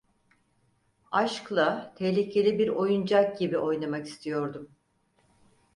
Aşkla tehlikeli bir oyuncak gibi oynamak istiyordum…